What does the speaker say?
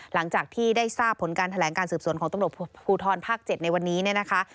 หลังจากที่ได้ทราบผลการแถลงการสืบสวนของตำรวจภูทรภาค๗ในวันนี้เนี่ยนะคะ